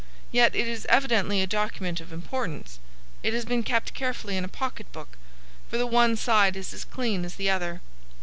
Yet it is evidently a document of importance. It has been kept carefully in a pocket book; for the one side is as clean as the other."